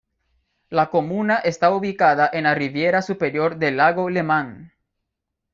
La comuna está ubicada en la riviera superior del lago Lemán.